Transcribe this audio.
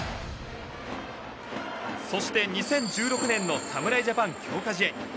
そして２０１６年の侍ジャパン強化試合。